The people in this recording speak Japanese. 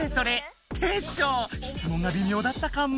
テッショウ質問がびみょうだったかも。